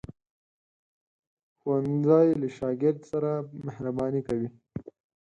ښوونځی له شاګرد سره مهرباني کوي